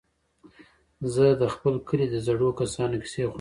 زه د خپل کلي د زړو کسانو کيسې خوښوم.